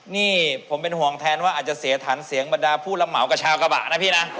นี่ผมเป็นห่วงแทนว่าอาจจะเสียฐานเสียงบรรดาผู้รับเหมากับชาวกระบะนะพี่นะ